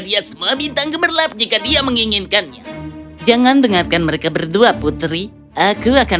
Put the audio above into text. dia semua bintang gemerlap jika dia menginginkannya jangan dengarkan mereka berdua putri aku akan